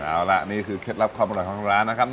เอาล่ะนี่คือเคล็ดลับความอร่อยของทางร้านนะครับ